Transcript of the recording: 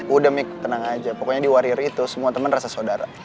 udah mik tenang aja pokoknya di warrior itu semua teman rasa saudara